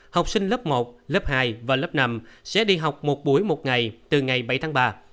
học sinh lớp một lớp hai và lớp năm sẽ đi học một buổi một ngày từ ngày bảy tháng ba